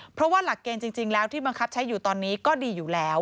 เพราะว่าหลักเกณฑ์จริงแล้วที่บังคับใช้อยู่ตอนนี้ก็ดีอยู่แล้ว